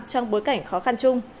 trong bối cảnh khó khăn chung